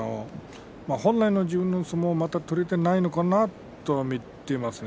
本来の自分の相撲が取れていないのかなと見ていますね。